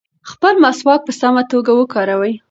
خپل مسواک په سمه توګه وکاروئ.